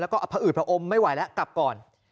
แล้วก็อ่ะพระอืดพระอมไม่ไหวแล้วกลับก่อน